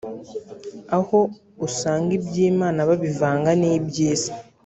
aho usanga iby’Imana babivanga n’iby’isi